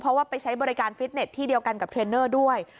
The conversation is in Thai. เพราะว่าไปใช้บริการฟิตเน็ตที่เดียวกันกับเทรนเนอร์ด้วย